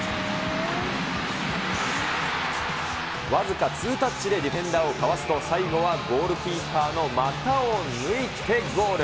僅かツータッチでディフェンダーをかわすと、最後はゴールキーパーの股を抜いてゴール。